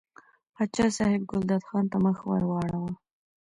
پاچا صاحب ګلداد خان ته مخ ور واړاوه.